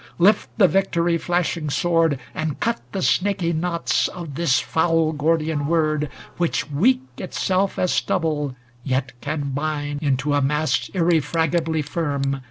Lift the victory flashing sword, And cut the snaky knots of this foul gor dian word, Which, weak itself as stubble, yet can bind Into a mass, irrefragably firm.